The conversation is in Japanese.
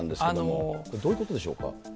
これ、どういうことでしょう